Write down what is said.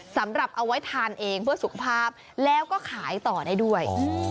สำหรับเอาไว้ทานเองเพื่อสุขภาพแล้วก็ขายต่อได้ด้วย